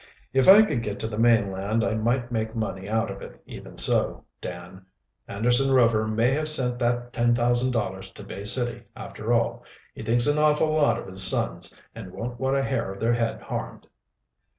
"If I could get to the mainland I might make money out of it even so, Dan. Anderson Rover may have sent that ten thousand dollars to Bay City, after all. He thinks an awful lot of his sons, and won't want a hair of their head harmed."